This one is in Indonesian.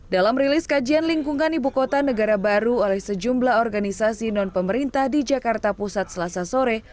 dalam rilis kajian lingkungan ibu kota negara baru oleh sejumlah organisasi non pemerintah di jakarta pusat selasa sore